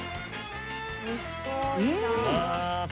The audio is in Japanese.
うん！